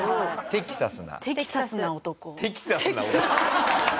テキサスな。